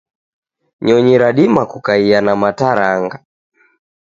Nyonyi radima kukaia na mataranga.